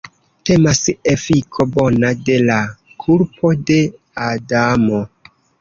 Temas efiko bona de la kulpo de Adamo.